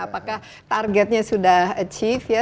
apakah targetnya sudah achieve ya